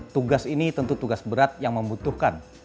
tugas ini tentu tugas berat yang membutuhkan